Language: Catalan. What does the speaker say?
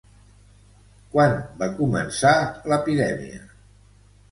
Quan va començar l'epidèmia?